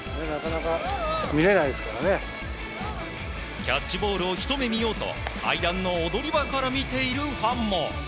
キャッチボールをひと目見ようと階段の踊り場から見ているファンも。